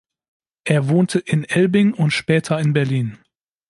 Er wohnte in Elbing und später in Berlin.